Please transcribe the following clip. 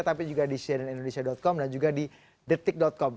tapi juga di cnnindonesia com dan juga di detik com